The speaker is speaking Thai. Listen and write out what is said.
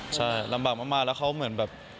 ใช่ลำบากมากแล้วเขาเหมือนแบบ